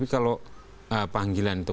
kalau panggilan itu